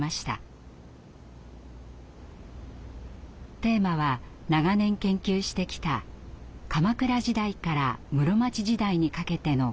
テーマは長年研究してきた鎌倉時代から室町時代にかけての「鏡」。